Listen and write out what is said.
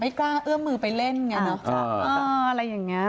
ไม่กล้าเอื้อมมือไปเล่นไงเนอะ